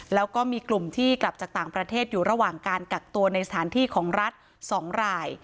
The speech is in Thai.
แล้วก็มีกลุ่มที่กลับจากต่างประเทศอยู่ระหว่างการกักตัวในสถานที่ของรัฐ๒ราย